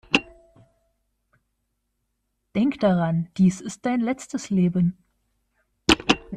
Denk daran, dies ist dein letztes Leben!